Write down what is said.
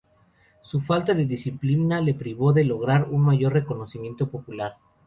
Su falta de disciplina le privó de lograr un mayor reconocimiento popular.